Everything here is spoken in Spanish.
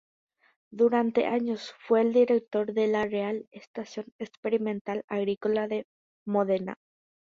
Durante años fue director de la "Real Estación Experimental Agrícola de Módena".